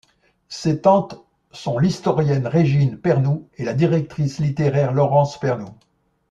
Ses tantes sont l'historienne Régine Pernoud et la directrice littéraire Laurence Pernoud.